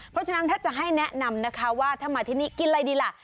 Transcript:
เพราะฉะนั้นถ้าจะให้แนะนำนะคะว่าถ้ามาที่นี่กินอะไรดีล่ะ